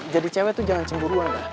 jadi cewek tuh jangan cemburu banget